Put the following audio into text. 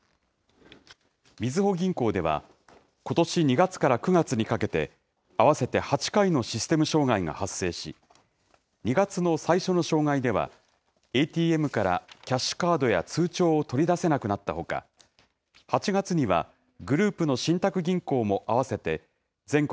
みずほ銀行では、ことし２月から９月にかけて、合わせて８回のシステム障害が発生し、２月の最初の障害では、ＡＴＭからキャッシュカードや通帳を取り出せなくなったほか、８月にはグループの信託銀行も合わせて全国